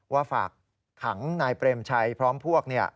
ฝากขังนายเปรมชัยพร้อมพวก